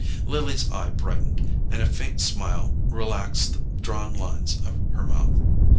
Lily's eye brightened, and a faint smile relaxed the drawn lines of her mouth.